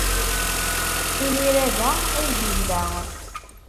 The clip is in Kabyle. Imir-a, da ay yezdeɣ.